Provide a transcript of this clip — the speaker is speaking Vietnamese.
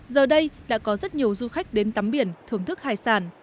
giờ đây đã có rất nhiều du khách đến tắm biển thưởng thức hải sản